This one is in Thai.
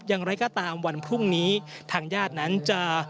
อย่างไรก็ตามวันพรุ่งนี้ทางญาตินั้นจะ